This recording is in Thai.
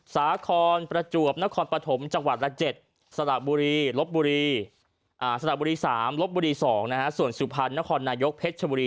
สถาบุรี๓รบบุรี๒ส่วนสุพรรณนครนายกเพศชมบุรี